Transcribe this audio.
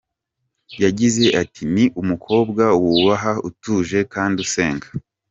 Yagize ati “Ni umukobwa wubaha, utuje kandi usenga.